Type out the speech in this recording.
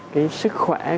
cái sức khỏe